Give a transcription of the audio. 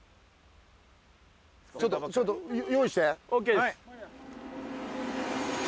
ちょっとちょっと用意して・ＯＫです